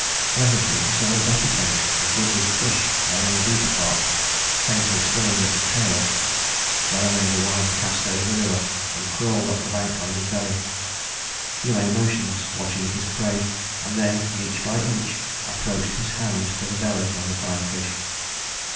Presently he saw a better thing: a goodly fish lay in the deeper part, faintly swaying his tail. Gunnar made a wide cast over the river and crawled up the bank on his belly. He lay motionless, watching his prey, and then, inch by inch, approached his hand to the belly of the fine fish.